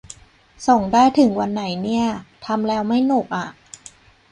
ส่งได้ถึงวันไหนเนี่ย ทำแล้วไม่หนุกอ่ะ